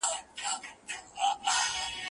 چي مي په سپینو کي یو څو وېښته لا تور پاته دي